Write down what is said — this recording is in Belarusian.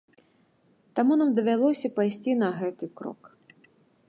Таму нам давялося пайсці на гэты крок.